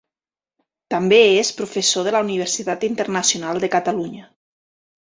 També és professor de la Universitat Internacional de Catalunya.